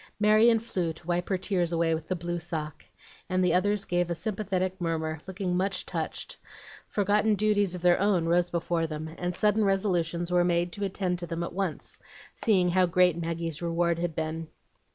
Marion flew to wipe her tears away with the blue sock, and the others gave a sympathetic murmur, looking much touched; forgotten duties of their own rose before them, and sudden resolutions were made to attend to them at once, seeing how great Maggie's reward had been.